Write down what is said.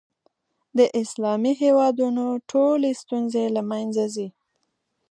د اسلامي هېوادونو ټولې ستونزې له منځه ځي.